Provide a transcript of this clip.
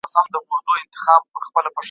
آیا د ښوونځي په کینټین کي صحي خواړه پلورل کیږي؟